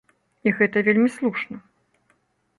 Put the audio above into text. І гэта вельмі слушна.